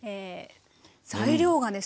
材料がね